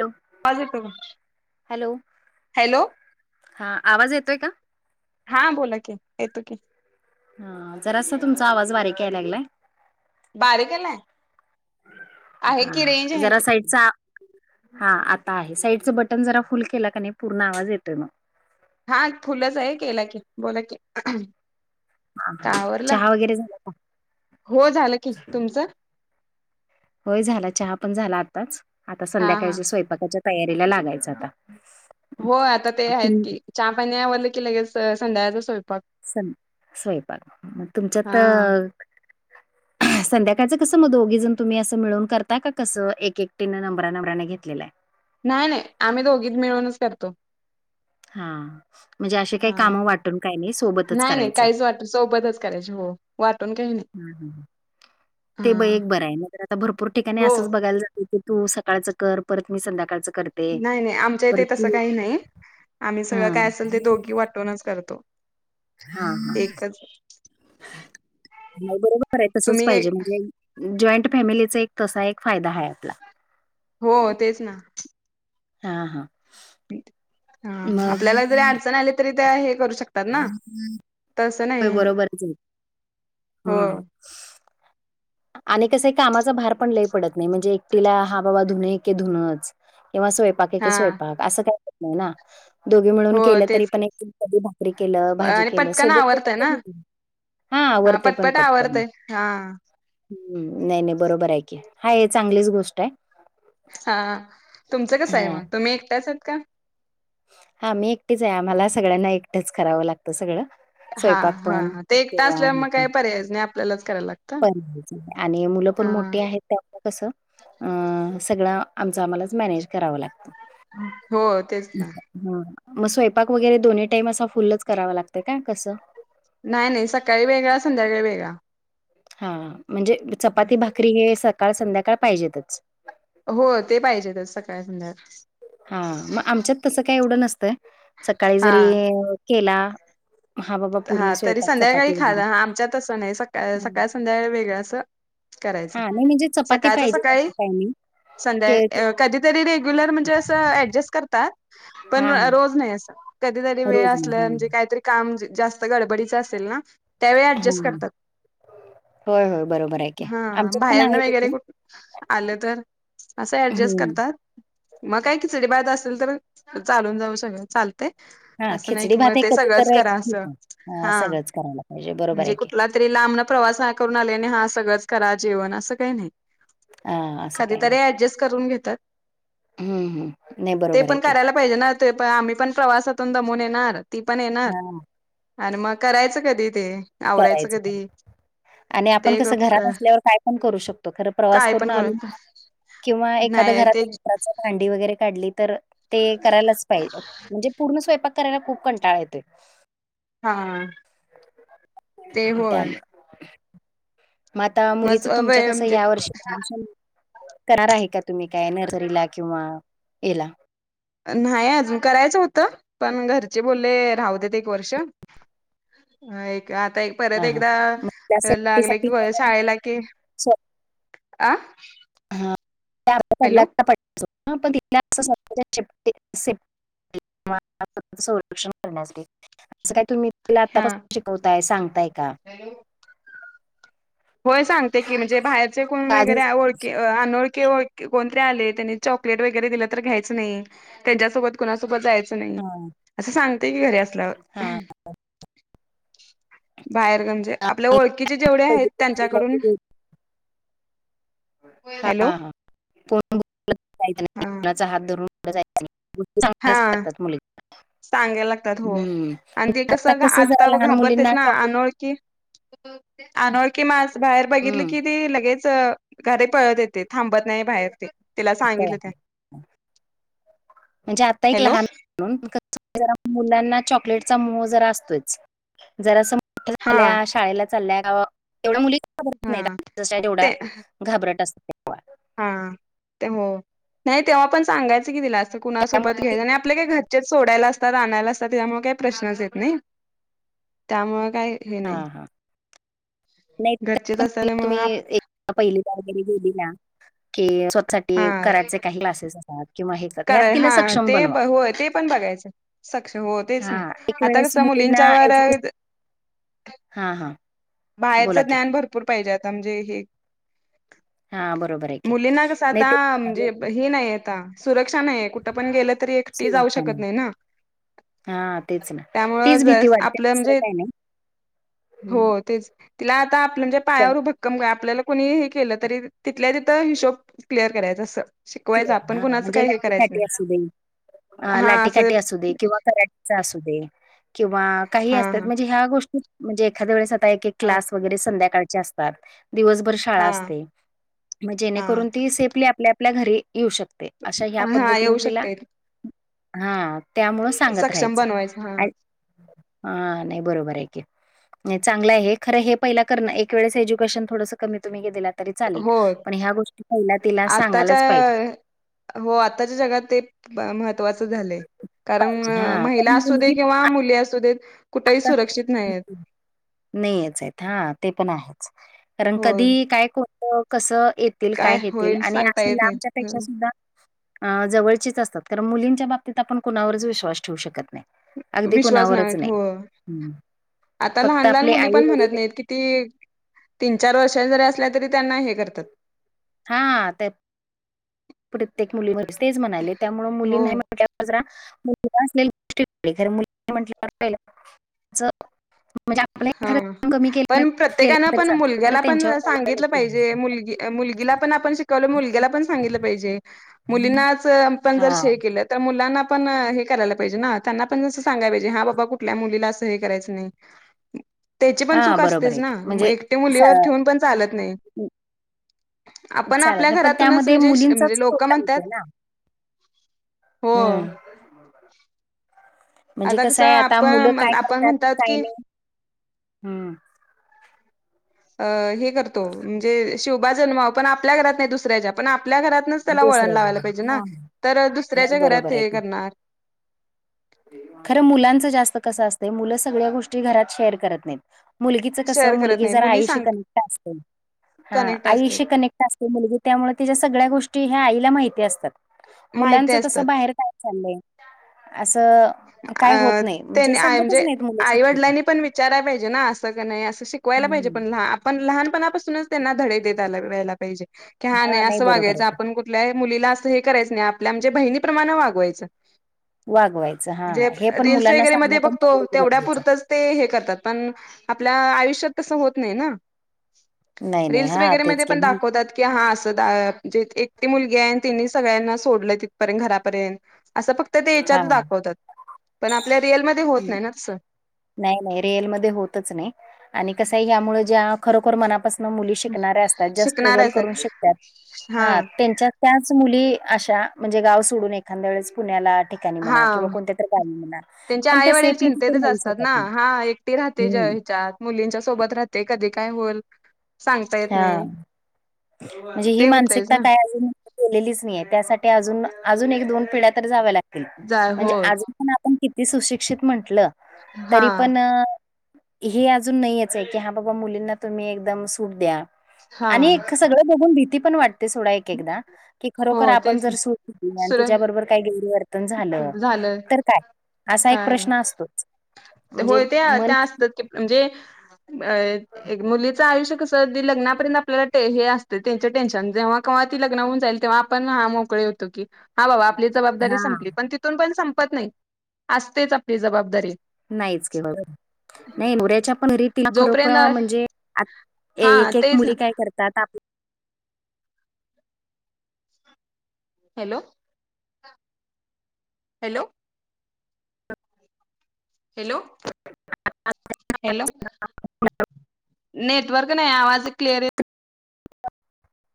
Hello आवाज येतोय का? हॅलो हां आवाज येतोय का? हां बोला की येतो की. हां जरासा तुमचा आवाज बारीक यायला लागलाय. बारीक आलाय आहे की रेंज आहे जरा की साईडचा. हां आता आहे साईडच बटन जरा फुल केला की नाही पूर्ण आवाज येतोय मग. हां फुलचय केला की बोला की. हा हा. का आवरल चहा वगैरे झाला का? हो झाल की तुमच? होय झाला चहा पण झाला आताच आता हा हा संध्याकाळच्या स्वयं स्वयंपाकाच्या तयारीला लागायच आता. हो आता ते आहेत की चहा पाणी आवरल की लगेच संध्याकाळचा स्वयंपाक. स स्वयंपाक मग तुमचात. हा संध्याकाळच कस मग दोघी जण तुम्ही अस मिळून करता का कस एक एकटीने नंबरा नंबरा न घेतलेल आहे. नाही नाही आम्ही दोघीत मिळूनच करतो. हां म्हणजे असे काही हा काम वाटून काय नाही सोबतच नाही नाही करायच. काहीच वाट सोबतच करायच हो वाटून काही नाही.. ते ब हा एक बर आहे नाही तर भरपूर ठिकाणी हो असच बघायला जात. तू सकाळच कर परत मी संध्याकाळच करते. नाही नाही आमच्या इथे परत तस तू काही नाही आम्ही सगळ हां, काय असेल ते दोघी वाटूनच करतो. हां हां एकच नाही बरोबर आहे तसच तुम्ही काय पाहिजे म्हणजे जॉईंट फॅमिलीचा एक तसा एक फायदा आहे आपला. हो तेच ना.. हा हा.. हा आपल्याला जरी अडचण आली तरी त्या हे करू शकतात. ना तसं नाही बरोबरच ये हो हम. आणि कस कामाचा भार पण लई पडत नाही म्हणजे एकटीला हा बाबा धुने ऐके धुनच तेव्हा स्वयंपाक ऐके हा स्वयंपाक असं काहीच होत नाही ना दोघी मिळून हो केलं तरी तेच की. पण एक कधी- भाकरी केल, भाजी आणि केल पटकन सगळं केलं आवरतय ना तरी. हा आवरते पण पटपट पटकण. आवरतय हा ह् नाही नाही बरोबर आहे की हा हे चांगलीच गोष्ट आहे. हा तुमचं कसं आहे हा मग? तुम्ही एकट्याच आहेत का? हा मी एकटेच आहे आम्हाला सगळ्यांना एकटेच करावं लागतं सगळं. हा स्वयंपाक हा पण हा ते एकटा किंवा असल्यावर मग काही पर्यायच नाही आपल्यालाच करायला लागतं पण आणि मुलं पण हा मोठी आहेत. त्यामुळं कसं सगळं आमचं आम्हालाच मॅनेज करावं लागतं. हो तेच ना हा मग स्वयंपाक वगैरे दोन्ही टाईम असा फुलच करावा लागतय काय कसं? नाही नाही सकाळी वेगळा संध्याकाळी वेगळा. हा म्हणजे चपाती भाकरी हे सकाळ संध्याकाळ पाहिजेतच. हो ते पाहिजेत सकाळी संध्याकाळ. हा मग आमच्यात तसं काय एवढं नसतं सकाळी हा जरी केला हा बाबा पूर्ण हा तरी स्वयंपाक संध्याकाळी चपाती वगैरे. खायला आमच्यात तसं नाही सकाळ संध्याकाळी वेगळं असं. हा करायचं. नाही म्हणजे चपाती सकाळच पाहिजे सकाळी टायमिंग के संध्या कधीतरी रेग्युलर म्हणजे असं ऍडजस्ट करतात पण हा हा रोज नाही असं. कधीतरी वेळ रोज आसाल नाही म्हणजे काहीतरी काम जास्त गडबडीच असेल ना त्यावेळी हा ऍडजस्ट करतात. होय होय बरोबर आहे की हा आमच्यात पण बाहेर आहे न वगैरे तसं. कुठ आलं तर असं ऍडजस्ट हम्म करतात मग काय किचडी भात असेल तर चालून जाऊ सगळं चालत. ते असं नाही खिचडी कि मग भात हे ते कधी सगळंच तर करा. ठीक हा सगळंच करायला पाहिजे बरोबर म्हणजे आहे की. कुठला तरी लांबन प्रवास करून आलेने हा सगळंच करा जेवण असं काही नाही. हा असं कधीतरी ऍडजस्ट करून घेतात. हम हम नाही ते बरोबर आहे पण की.? करायला पाहिजे ना ते पण आम्ही पण प्रवासातून दमून येणार ती पण येणार हा आणि मग करायचं कधी ते? आवरायचं करायचं. पण. कधी? आणि आपण ते ग कसं घरात असल्यावर काय पण करू शकतो खरं प्रवास काय करून पण कर आलो किंवा एखाद्या नाही ते घरात एक्स्ट्रा च भांडी वगैरे काढली तर ते करायलाच पाहिजे म्हणजे पूर्ण स्वयपाक करायला खूप कंटाळा येतोय. हां.... त्यामूळ. म ग आता मुली मग च वे तुमच्या कसं म्हणजे ह्या वर्षी करणार आहे का तुम्ही काय नर्सरीला किंवा याला? नाही अजून करायचं होतं पण घरचे बोलले राहू देत एक वर्ष. ह एक आता एक हा परत हा एकदा मग तिला सेफ्टी लागले साठी की शाळेला कि स्वतः आ? हॅलो [unintelligible] हं माणसांचं सोल्युशन करण्यांसाठी. तसं कायं तुंम्ही तिलां आंतापसून शिकवतांय सांगतांय आहे कां? नांई होयं सांगते की म्हणजे बाहेरचे कोणं का अजून वगैरें ओळख अनोळ किं कोणंतरी आले त्यांनी चॉकलेट वगैरें दिलं तरं घ्यायचं नाहीं त्यांच्यासोबत कुणांसोबत जायचं नाहीं हा असं सांगते की घरी हा असल्यांवर बाहेर म्हणजे आज आपल्यां ओळखीचे जेवढे पहिली आहेतं दुसरीला त्यांच्याकडूंन हॅलो हां कोणं बरं हा नाहीं हात धरूंन कुठे जांयचं हा नाहीं मुलीनी सांगायला लागतांत हो आणि ते आता कसं आंत्ता जरा लहान घाबरतं मुलींना चं नां अनोळ की अनोळखी माणसं बाहेर बघितली कि हम्म ती लगेच घरी पळतं येते थांबत नाहीं बाहेर तिलां हो, सांगितलं त्यां म्हणजे आंत्ता एक लहांन दोन विकतंच्या म्हटलं तरं मुलांना चॉकलेट चां मोह जरां जास्तंचं असतो जरां हा झाल्यां शाळेलां चाल्यां एवढ्यां मुलीतं हा नाहीं तेवढ्यां घांबरट असते हां ते हो नाहीं तेव्हां पणं सांगायचं की तिलां कि कुणांसोबत त्यामुळे घ्यां आणि आपल्यां कांहीं घरंचेचं सोडांयला असतांत आणांयला असतांत त्यांच्यामुळे कांहीं प्रश्नचं येतं नाहीं त्यांमुळे कांहीं हे नाहीं नाहीं पणं असल्यामुळे तुम्हीं एक पहिली वगैरी गेली नां कि स्वंतःसाठी कराचे कांहीं क्लासेस असतांत किंवा हे करतात ह्यात करायचं तिला हां सक्षम ते बनवा होयं ते पणं बघायचं सक्षंम होतेचं हा नां एक आंता वेळेस कसं मुलींना मुलींच्या वरं हां हां बाहेरचं ज्ञांन भरंपूर पाहिजे आंता म्हणजे हे हा बरोबर आहे की मुलींना कसं नाही आंता ते म्हणजे हं नाहीं आंता सुरक्षां नाहींय कुठं पणं गेलं तरी एकटी जाऊं शकतं नाहीं नां हां तेचं नां तीचं भीती वाटते असं आपलं दुसरं म्हणजे कायं नाहीं हं तिलां आंता आपल्यांच्या त्या पायांवर भक्कंम कायं कोणी हे केलं तरी तिथल्यां तिथं हिशोब क्लिअर करायचं असं शिकवायचं आपण कुणाचं म्हणजे काय हे लाठी करायचं काठी नाही अंसू दे हा लाटी असं काठी अंसू दे किंवा कराटे अंसू दे किंवा कांहीं हा असतांत म्हणजे ह्यां कांहीं गोष्टी म्हणजे एखांद्या वेळेसं एकेक हा क्लास वगैरें संध्याकांळचे असतांत दिवसंभरं शाळां हा असते मगं जेणेकरूंन हा ती सेफली आपल्यां आपल्यां घरी येऊं शकते अशा ह्यां हा हा पद्धतीने येऊ तिलां शकते हां त्यांमुळ सांगत सक्षम राहायचं बनवायचं हा हां नाहीं बरोबर आहे की चांगलं आहे खरं हे पहिले करणं एक वेळेस एज्युकेशन थोडंस कमी तुम्हीं गेलांत तरी चालेल हो पणं ह्यां गोष्टी पहिला तिलां सांगायला आताच्या चं पाहिजे हो आंताच्या जगांत ते महत्वाचं झालंय पाहिजे. कारणं हां, महिला कारण असूं दे मुलगी किंवा मुली अंसू दे कुठेही सुरक्षित नाहीं आहेंतं नाहींचं आहेतं हां ते पणं आहेचं कारणं हो कधीं कायं को कसं येतील काय कायं येतील होईल आणि सांगता असं येत नाही लांबच्यांपेक्षा सुद्धां अं जवळंचीचं असतांत कारणं मुलींच्यां बाबतीत आपणं कोणांवरचं विश्वास ठेवूं शकतं नाहीं अगदीं विश्वास नाही कुणांवरचं हो नाहीं आता लहान फक्तं लहान आपले मुली आई पण म्हणत वडील किती तीन चार वर्षान जरी असल्या तरी त्यांना हे करतात. हा प्रत्येक मुली तेच म्हणाले त्यामुळे मुली हो नाही ज मु असले गोष्टर मुली म्हटहि च [unintelligible] हा पण प्रत्येकानं केलं तरी पण चालत खरं मुलग्याला पण त्यांच्यावर पहिला सांगितलं लक्ष द्यायचं पाहिजे मुलगी मुलगीला पण आपण शिकवलं मुलग्याला पण सांगितलं पाहिजे मुलींनाच आपण जर हा शे के तर मुलांना पण हे करायला पाहिजे, ना त्यांना पण जसं सांगायला पाहिजे, हा बाबा कुठल्या मुलीला असं हे करायचं नाही. त्याची पण हा चूक बरोबर असतेच आहे की ना, म्हणजे एकटे मुलीवर स ठेवून पण चालत नाही. आपण चालत आपल्या नाही पण घरातूनच त्यामध्ये म्हणजे म्हणजे मुलींचाच लोक तोटा म्हणतात होतो ना. हो हम्म. म्हणजे आता कसं आहे आता मुलं काय आपण आपण करतात म्हणतात काय की नाही. अ हे करतो म्हणजे शिवबा जन्मावा पण आपल्या घरात नाही दुसऱ्याच्या, पण आपल्या घरात त्याला वळण दुसऱ्या लावायला जगाला पाहिजे हां, ना हां. तर नाही दुसऱ्याच्या घरात बरोबर हे करणार. खर मुलांच जास्त कस असतं, मुलं सगळ्या गोष्टी घरात शेअर करत नाही. मुलगीच कस शेअर करत मुलगी नाही जर मुली आईशी सांग कनेक्ट असते. हा कनेक्ट असतात आईशी कनेक्ट असते. मुलगी त्यामुळे त्या सगळ्या गोष्टी या आईला माहिती असतात. माहिती मुलांच तसं असतात बाहेर ड [unintelligible] अ त्यांनी सांगतच म्हणजे नाहीत मुलं शक्यतो. आईवडिलांनी पण विचाराला पाहिजे ना अस. नाही अस शिकवायला पाहिजे, पण आपण लहानपणापासूनच त्यांना धडे देत आल पाहिजे. की हा नाही असं वागायचं आपण कुठल्याही मुलीला असं हे करायचं नाही, आपल्या म्हणजे बहिणीप्रमाणे वागवायचं. वागवायचं हा म्हणजे हे पण रील्स मुलांना वगैरे सांगणं मध्ये पण बघतो तेवढंच तेवढ्या गरजेच आहे. पुुरतच ते हे करतात, पण आपल्या आयुष्यात तसं होत नाही ना. आहे. नाही नाही रिलस हा वगैरे तेच मध्ये की पण म्हण दाखवतात. हा असं द जे एकटी मुलगी आहे तिने सगळ्यांना सोडलं तिथपर्यंत घरापर्यंत. असं फक्त ते हा याच्यात दाखवतात, पण आपल्या रिअलमध्ये होत नाही ना तसं. नाही नाही रिअलमध्ये होतच नाही. आणि कसं आहे यामुळे ज्या खरोखर मनापास मुली शिकणाऱ्या असतात, ज्या स्टगल शिकणारच आहे करून शिकतात सर हा ह त्यांच्या त्याच मुली अशा म्हणजे गाव सोडून एक एखाद्या वेळेस पुण्याला ठिकाणी हा म्हणा किंवा कोणत्यातरी गावी म्हणा त्यांच्या पण आई त्या वडील शेपली चिंतेतच असतात ना हा एकटी राहते, ज ह्याच्यात मुलींच्या सोबत राहते. कधी काय होईल. सांगता येत हा नाही. म्हणजे ही ते होतयच मानसिकता ना काय अजून केलेलीच नाहीे त्यासाठी अजून अजून एक दोन पिढ्या तर जाव्या लागतील जाय म्हणजे हो अज पण आपण किती सुशिक्षित म्हंटलं हा तरी पण. हे अजून नाहीच आहे की हा बाबा मुलींना तुम्ही एकदम सूट द्या. हा. सगळ बघून भीती पण वाटते सोडा एक एकदा खरोखर हो आपण तेच सूट दिली आणि सुर तिच्याबरोबर काय गैरवर्तन झालं झालं तर काय असा एक काय प्रश्न असतोच. म्हणजे होय त्या मन असतात म्हणजे मुलीचं आयुष्य लग्नापर्यंत आपल्याला हे असते त्यांचे टेन्शन जेव्हा ती लग्न होऊन जाईल तेव्हा आपण हा मोकळे. [unintelligible] हा बाबा आपली जबाबदारी हा संपली, पण तिथून पण संपत नाही असतेच आपली जबाबदारी. नाहीच की होय. नाही मोऱ्याच्या पण रीतीला जोपर्यंत खरोखर म्हणजे हा एक एक तेच ना मुली काय करतात आप hello. Hello. Hello, hello network नाही आवाज क्लिअर येत ''--''